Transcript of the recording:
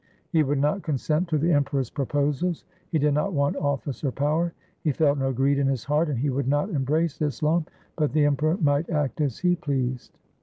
He would not consent to the Emperor's proposals. He did not want office or power ; he felt no greed in his heart, and he would not embrace Islam, but the Emperor might act as he pleased.